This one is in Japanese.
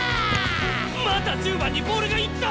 また１０番にボールが行った！